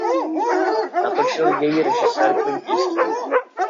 Natočil jej režisér Clint Eastwood.